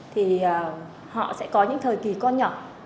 thì họ sẽ có những thời kỳ con nhỏ